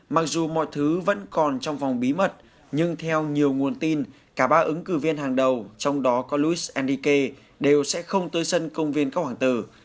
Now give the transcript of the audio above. mặc dù mọi thứ vẫn còn trong vòng bí mật nhưng theo nhiều nguồn tin cả ba ứng cử viên hàng đầu trong đó có louis ndk đều sẽ không tới sân công viên các hoàng tử